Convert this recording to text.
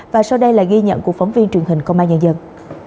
và sau đây là ghi nhận của phóng viên truyền hình công an nhân dân